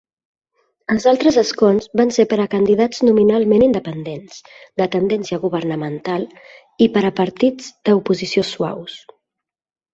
Els altres escons van ser per a candidats nominalment independents, de tendència governamental, i per a partits de "oposició suaus".